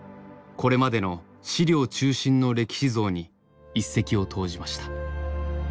これまでの資料中心の歴史像に一石を投じました。